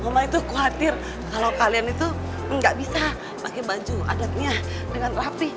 mama itu khawatir kalau kalian itu nggak bisa pakai baju adatnya dengan rapih